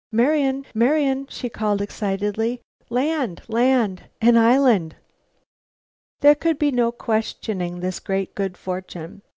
"Marian! Marian!" she called excitedly. "Land! Land! An island!" There could be no questioning this great good fortune.